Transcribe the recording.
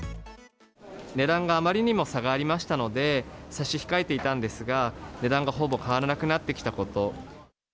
値段があまりにも差がありましたので、差し控えていたんですが、値段がほぼ変わらなくなってきたこと。